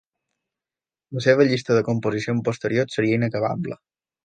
La seva llista de composicions posteriors seria inacabable.